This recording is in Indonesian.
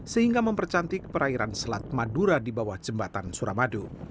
sehingga mempercantik perairan selat madura di bawah jembatan suramadu